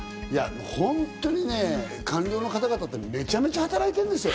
本当にね、官僚の方ってめちゃめちゃ働いてるんですよ。